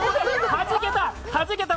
はじけた！